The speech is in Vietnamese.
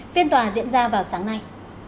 phiên tòa diễn ra vào sáng nay